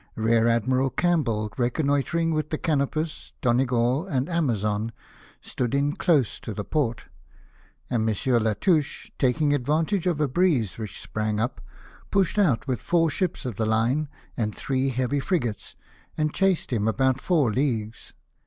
Rear Admiral Campbell, reconnoitring with the Cano])ws, Donegal, and Amazon, stood in close to the port ; and M. Latouche, taking advantage of a breeze which sprang up, pushed out, with four ships of the line and three heavy frigates, and chased him about four leagues.